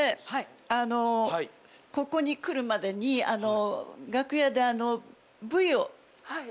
あのここに来るまでに楽屋でＶを。